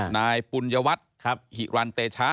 นายปุญญวัตรหิรันเตชะ